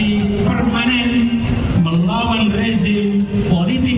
mengeluhan oposisi permanen melawan rezim politik dinasti